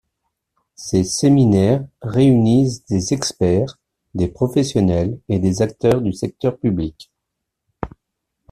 Ces séminaires réunissent des experts, des professionnels et des acteurs du secteur public.